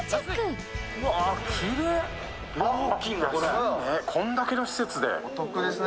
安いね、こんだけの施設で。